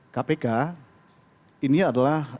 kpk ini adalah